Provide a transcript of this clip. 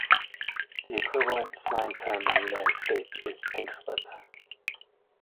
The equivalent slang term in the United States is pink slip.